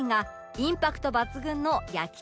インパクト抜群のやきとり丼